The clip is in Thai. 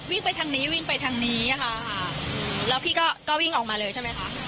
ไปทางนี้วิ่งไปทางนี้ค่ะแล้วพี่ก็วิ่งออกมาเลยใช่ไหมคะ